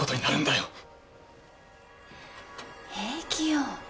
平気よ。